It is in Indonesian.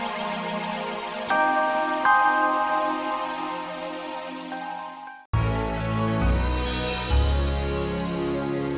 gak ada apa apa